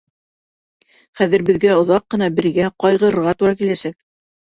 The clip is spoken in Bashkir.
Хәҙер беҙгә оҙаҡ ҡына бергә... ҡайғырырға тура киләсәк.